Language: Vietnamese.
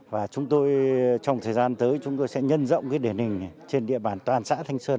và trong thời gian tới chúng tôi sẽ nhân rộng địa hình trên địa bàn toàn xã thanh sơn